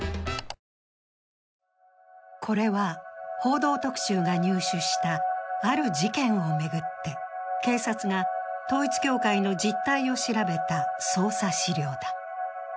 これは「報道特集」が入手したある事件を巡って警察が統一教会の実態を調べた捜査資料だ。